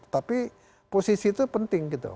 tapi posisi itu penting gitu